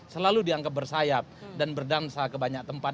selalu dianggap bersayap dan berdansa ke banyak tempat